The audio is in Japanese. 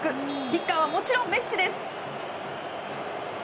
キッカーはもちろんメッシです。